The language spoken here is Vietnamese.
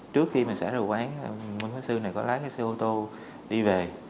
trước khi mình xảy ra quán minh pháp sư này có lái cái xe ô tô đi về